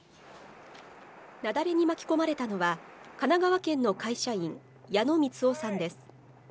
雪崩に巻き込まれたのは神奈川県の会社員・矢野光朗さんです。